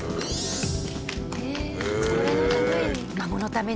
へえこれのために。